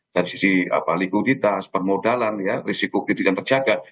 dari sisi likuiditas permodalan ya risiko kredit yang terjaga